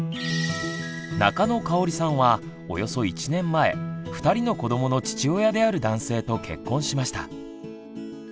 中野かおりさんはおよそ１年前２人の子どもの父親である男性と結婚しました。